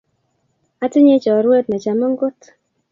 Atinye Choruet ne chama kot,